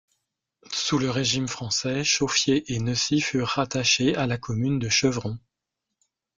Sous le Régime Français, Chauveheid et Neucy furent rattachés à la commune de Chevron.